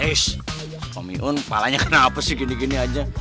ish om ion kepalanya kenapa sih gini gini aja